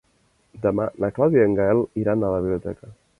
Demà na Clàudia i en Gaël iran a la biblioteca.